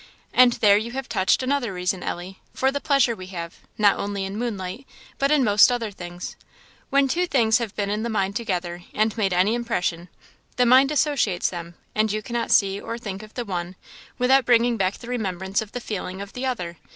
"And there you have touched another reason, Ellie, for the pleasure we have, not only in moonlight, but in most other things. When two things have been in the mind together, and made any impression, the mind associates them; and you cannot see or think of the one, without bringing back the remembrance of the feeling of the other.